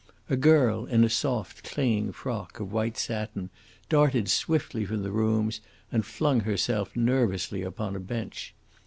A girl in a soft, clinging frock of white satin darted swiftly from the rooms and flung herself nervously upon a bench.